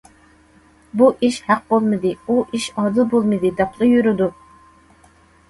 ‹‹ بۇ ئىش ھەق بولمىدى، ئۇ ئىش ئادىل بولمىدى›› دەپلا يۈرىدۇ.